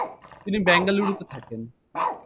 তিনি বেঙ্গালুরুতে থাকেন।